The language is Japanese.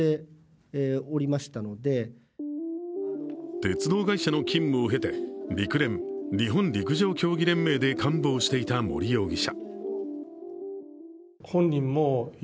鉄道会社の勤務を経て陸連＝日本陸上競技連盟で幹部をしていた森容疑者。